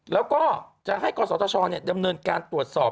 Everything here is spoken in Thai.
แล้วก็จะให้กศธชดำเนินการตรวจสอบ